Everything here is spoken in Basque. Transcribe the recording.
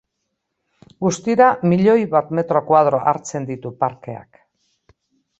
Guztira milioi bat metro koadro hartzen ditu parkeak.